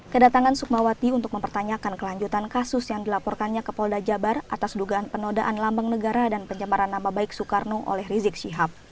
kedatangan sukmawati untuk mempertanyakan kelanjutan kasus yang dilaporkannya ke polda jabar atas dugaan penodaan lambang negara dan pencemaran nama baik soekarno oleh rizik syihab